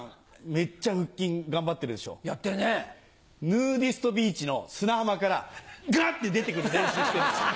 ヌーディストビーチの砂浜からガッて出てくる練習してんですよ。